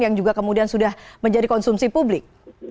yang juga kemudian sudah menjadi konsumsi publik